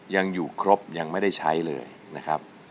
ยังอยู่ครบยังไม่ได้ใช้เลยนะครับ